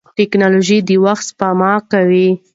ټیکنالوژي د وخت سپما کوي.